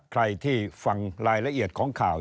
ใครที่ฟังรายละเอียดของข่าว